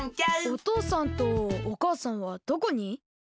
おとうさんとおかあさんはどこに？